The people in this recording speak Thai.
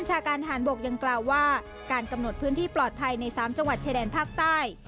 จะกำหนดพื้นที่ปลอดภัยใน๓จังหวัดเฉดแดนภาคใต้